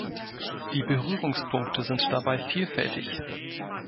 Die Berührungspunkte sind dabei vielfältig.